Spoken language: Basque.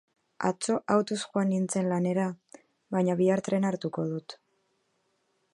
Atzo autoz joan nintzen lanera, baina bihar trena hartuko dut.